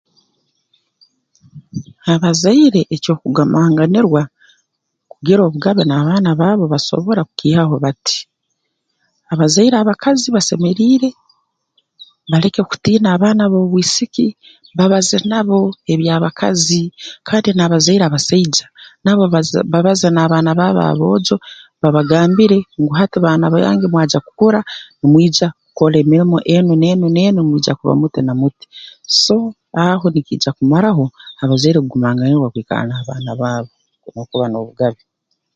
Abazaire eky'okugumanganirwa kugira obugabe n'abaana baabo basobora kukiihaho bati abazaire abakazi basemeriire baleke kutiina abaana b'obwisiki babaze nabo eby'abakazi kandi n'abazaire abasaija nabo baza nabo babaze n'abaana baabo aboojo babagambire ngu hati abaana bange mugya kukura nimugya kukora emirimo enu n'enu n'enu nimwija kuba muti na muti so aho nikiija kumaraho abazaire kugumanganirwa kwikara n'abaana baabo n'okuba n'obugabe